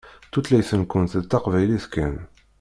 Tutlayt-nkent d taqbaylit kan.